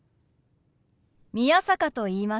宮坂と言います。